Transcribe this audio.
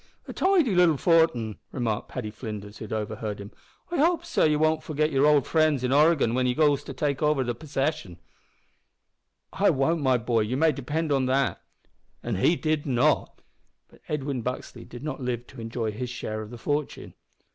"A tidy little fortin," remarked Paddy Flinders, who overheard him. "I hope, sor, ye won't forgit yer owld frinds in Oregon when ye go over to take possession." "I won't my boy you may depend on that." And he did not! But Edwin Buxley did not live to enjoy his share of the fortune.